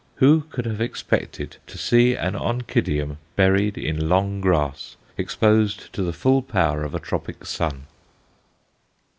Who could have expected to see an Oncidium buried in long grass, exposed to the full power of a tropic sun?